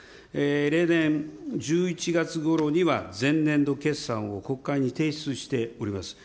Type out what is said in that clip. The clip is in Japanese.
例年１１月ごろには前年度決算を国会に提出しております。